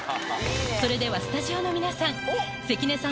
それではスタジオの皆さん関根さん